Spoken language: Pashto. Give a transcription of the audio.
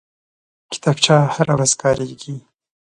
کتابچه هره ورځ کارېږي